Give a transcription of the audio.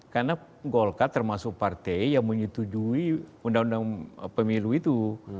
karena golkar termasuk partai yang menyetujui undang undang pemilu itu